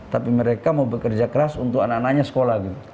tapi mereka mau bekerja keras untuk anak anaknya sekolah